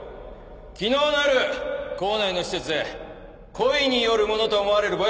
昨日の夜校内の施設で故意によるものと思われるぼやが発生した。